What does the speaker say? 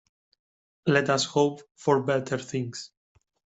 Let us hope for better things.